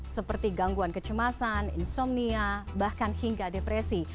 seperti gangguan kecemasan insomnia bahkan hingga depresi